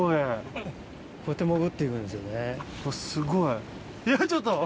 すごい。